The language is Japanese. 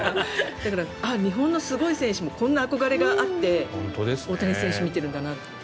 だから、日本のすごい選手もこんな憧れがあって大谷選手を見てるんだなって。